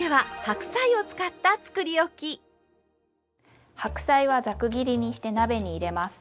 白菜はざく切りにして鍋に入れます。